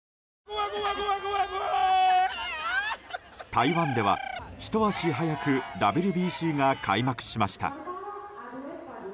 台湾では、ひと足早くＷＢＣが開幕しました。